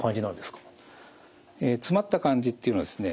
詰まった感じっていうのはですね